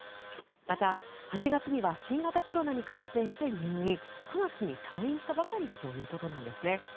また、８月には新型コロナに感染して入院９月に退院したばかりだということなんです。